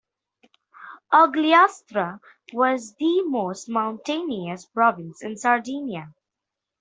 Ogliastra was he most mountainous province in Sardinia.